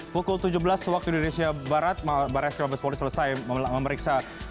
pukul tujuh belas waktu di indonesia barat barres krim pespolri selesai memeriksa